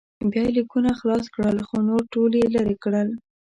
بیا یې لیکونه خلاص کړل خو نور ټول یې لرې کړل.